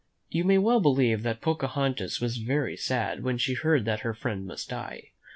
You may well believe that Pocahontas was very sad when she heard that her friend must die.